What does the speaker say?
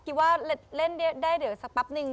คิดแบบเล่นผ่าโต้ชิ้นได้เดี่ยวกันสักปรับหนึ่ง